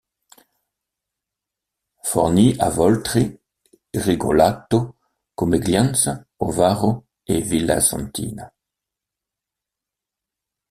Forni Avoltri, Rigolato, Comeglians, Ovaro et Villa Santina.